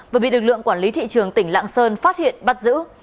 vừa bị lực lượng quản lý thị trường tỉnh lạng sơn phát hiện bắt giữ